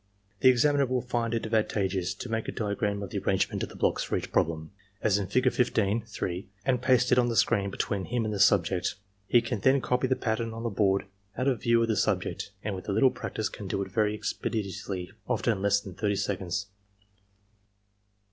The examiner will find it advantageous to make a diagram of the arrangement of the blocks for each problem, as in Fig. 15 (3), and paste it on the screen between him and the subject. He can then copy the pattern on the board out of view of the subject, and with a little practice, can do it very expeditiously — often in less than 30 seconds.